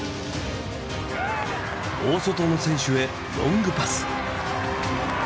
大外の選手へロングパス。